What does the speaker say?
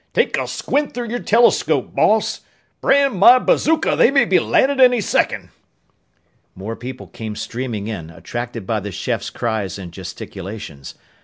"Take a squint through your telescope, boss! Brand my bazooka, they may be landin' any second!" More people came streaming in, attracted by the chef's cries and gesticulations.